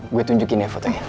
gue tunjukin ya fotonya